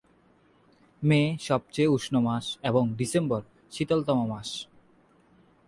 মে সবচেয়ে উষ্ণ মাস এবং ডিসেম্বর শীতলতম মাস।